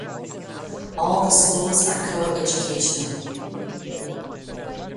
All the schools are coeducational.